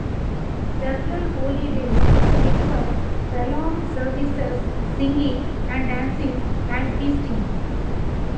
Several holy days require prolonged services, singing and dancing, and feasting.